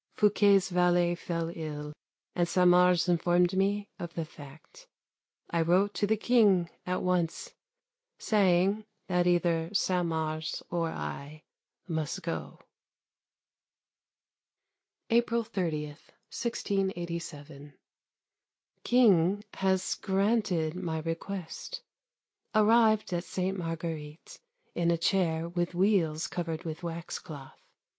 Fouquet's valet fell ill, and Saint Mars informed me of the fact. I wrote to the King at once saying that either Saint Mars or I must go. April 30, 1687. King has granted my request. Arrived at Sainte Marguerite in a chair with wheels covered with wax cloth.